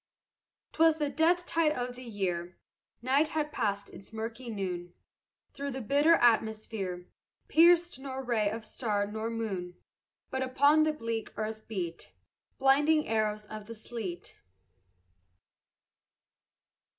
'Twas the death tide of the year; Night had passed its murky noon; Through the bitter atmosphere Pierced nor ray of star nor moon; But upon the bleak earth beat Blinding arrows of the sleet.